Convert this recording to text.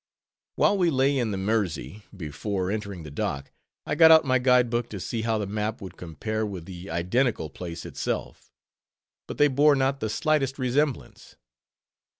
While we lay in the Mersey, before entering the dock, I got out my guide book to see how the map would compare with the identical place itself. But they bore not the slightest resemblance.